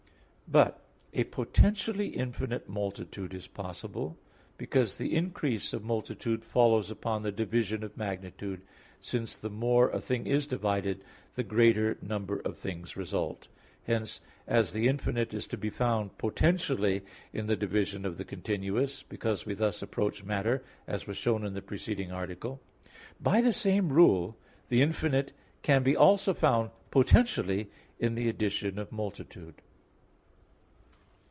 But a potentially infinite multitude is possible; because the increase of multitude follows upon the division of magnitude; since the more a thing is divided, the greater number of things result. Hence, as the infinite is to be found potentially in the division of the continuous, because we thus approach matter, as was shown in the preceding article, by the same rule, the infinite can be also found potentially in the addition of multitude.